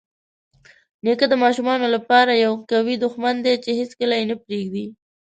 نیکه د خپلو ماشومانو لپاره یوه قوي دښمن دی چې هیڅکله یې نه پرېږدي.